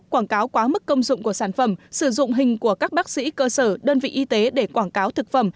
quảng cáo quá mức công dụng của sản phẩm sử dụng hình của các bác sĩ cơ sở đơn vị y tế để quảng cáo thực phẩm